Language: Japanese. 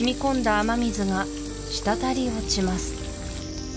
雨水がしたたり落ちます